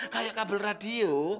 kayak kabel radio